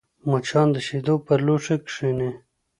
مچان د شیدو پر لوښي کښېني